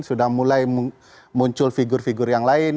sudah mulai muncul figur figur yang lain